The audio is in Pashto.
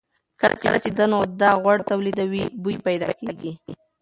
کله چې د بدن غده غوړ تولیدوي، بوی پیدا کېږي.